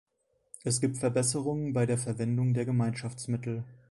Es gibt Verbesserungen bei der Verwendung der Gemeinschaftsmittel.